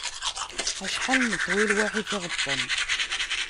Acḥal neṭwi lwaḥi tiɣeṭṭen!